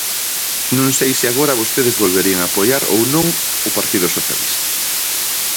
Non sei se agora vostedes volverían apoiar ou non o Partido Socialista.